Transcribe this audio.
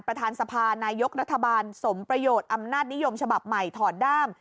ประธานสภานายกรัฐบาลสมประโยชน์อำนาจนิยมฉบับใหม่ถอดด้าม